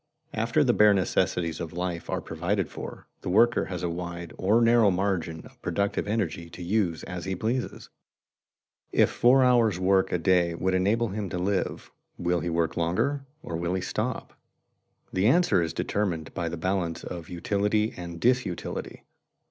_ After the bare necessities of life are provided for, the worker has a wide or narrow margin of productive energy to use as he pleases. If four hours' work a day would enable him to live, will he work longer or will he stop? The answer is determined by the balance of utility and disutility.